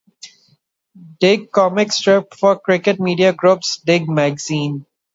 Dig comic strip for Cricket Media Group's 'Dig' magazine.